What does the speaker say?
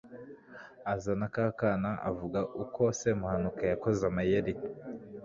azana ka kana avuga uko semuhanuka yakoze amayeri